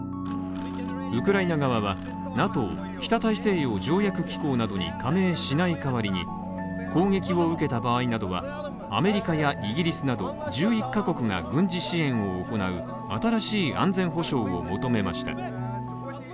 ウクライナ側はＮＡＴＯ＝北大西洋条約機構などに加盟しない代わりに攻撃を受けた場合などは、アメリカやイギリスなど１１カ国が軍事支援を行う新しい安全保証を求めました。